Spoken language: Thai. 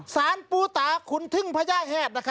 สารปูตาขุนถึงพญาแฮด